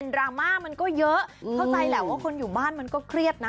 ดราม่ามันก็เยอะเข้าใจแหละว่าคนอยู่บ้านมันก็เครียดนะ